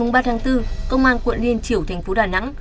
ngày ba tháng bốn công an quận liên chiểu tp đà nẵng